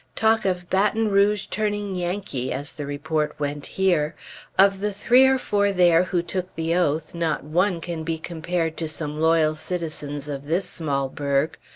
Talk of Baton Rouge turning Yankee, as the report went here! Of the three or four there who took the oath, not one can be compared to some loyal citizens of this small burg.